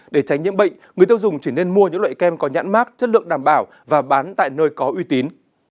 để tránh nhiễm bệnh người tiêu dùng chỉ nên mua những loại kem có nhãn mát chất lượng đảm bảo và bán tại nơi có uy tín